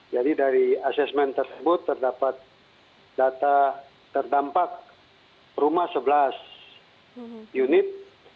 jadi dari asesmen tersebut terdapat data terdampak rumah sebelas unit